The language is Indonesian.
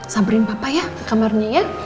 samperin papa ya ke kamarnya ya